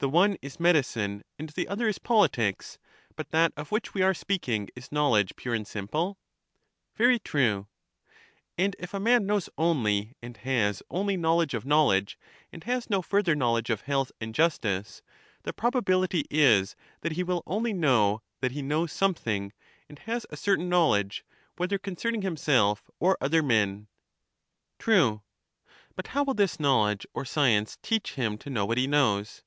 The one is medicine, and the other is politics; but that of which we are speaking is knowledge pure and simple. Very true. And if a man knows only, and has only knowledge of knowledge, and has no further knowledge of health and justice, the probability is that he will only know that he knows something, and has a certain knowl edge, whether concerning himself or other men. True. Digitized by VjOOQ IC CHARMIDES 33 But how will this knowledge or science teax^h him to know what he knows?